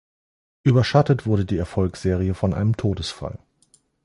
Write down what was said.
Überschattet wurde die Erfolgsserie von einem Todesfall.